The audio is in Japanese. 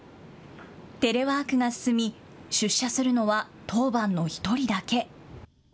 テレワークが進み出社するのは当番の１人だけ。